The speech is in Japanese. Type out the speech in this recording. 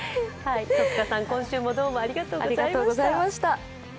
戸塚さん、今週もどうもありがとうございました。